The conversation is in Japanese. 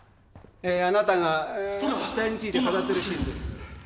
あなたが死体について語ってるシーンです。